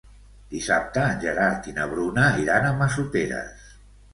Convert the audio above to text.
Dissabte en Gerard i na Bruna iran a Massoteres.